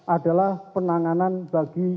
adalah penanganan bagi